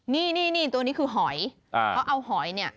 นี่ตัวนี้คือหอยเขาเอาหอยเนี่ย